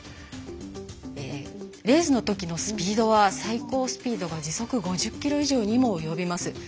レースのときのスピードは最高スピードが時速５０キロ以上にも及びます。